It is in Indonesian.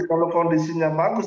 kalau kondisinya bagus